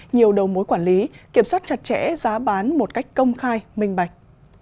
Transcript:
nhiều đầu mối quản lý kiểm soát chặt chẽ giá bán một cách công khai minh bạch